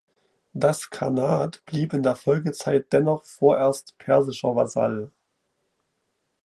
Das Khanat blieb in der Folgezeit dennoch vorerst persischer Vasall.